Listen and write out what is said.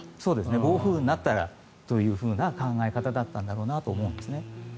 暴風雨になったらという考え方だったんだろうなと思うんですね。